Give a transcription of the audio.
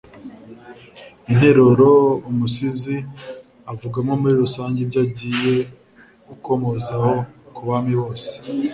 interuro, umusizi avugamo muri rusange ibyo agiye gukomozaho ku bami bose